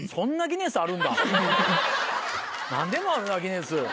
何でもあるなギネス。